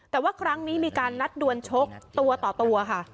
แต่ว่าครั้งนี้มีการนัดดวนชกตัวต่อตัวค่ะ